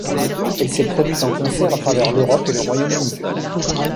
Elle s'est produite en concert à travers l'Europe et le Royaume-Uni.